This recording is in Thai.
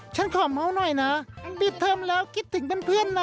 ฉันขอเมาส์หน่อยนะปิดเทอมแล้วคิดถึงเพื่อนนะ